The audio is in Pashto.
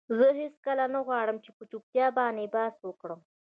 زه هیڅکله نه غواړم چې په چټییاتو باندی بحث وکړم.